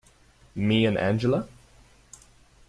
Me and Angela?